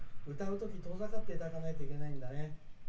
歌うとき、遠ざかっていただかないといけないんだね。